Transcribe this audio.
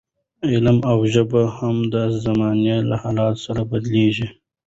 علم او ژبه هم د زمانې له حالاتو سره بدلېږي.